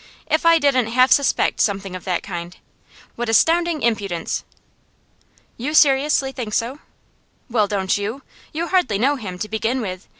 'If I didn't half suspect something of that kind! What astounding impudence!' 'You seriously think so?' 'Well, don't you? You hardly know him, to begin with.